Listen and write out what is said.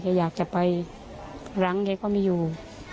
อยากจะไปหลังแกก็ไม่อยู่